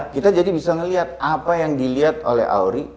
kita jadi bisa melihat apa yang dilihat oleh auri